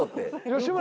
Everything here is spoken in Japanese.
吉村